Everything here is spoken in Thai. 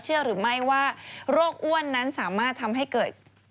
เชื่อหรือไม่ว่าโรคอ้วนนั้นสามารถทำให้เกิด